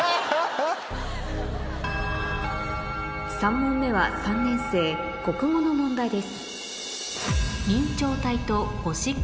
３問目は３年生国語の問題です